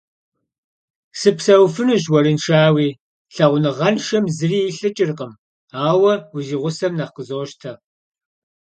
Сыпсэуфынущ уэрыншэуи, лъэгъуныгъэншэм зыри илӏыкӏыркъым, ауэ узигъусэм нэхъ къызощтэ.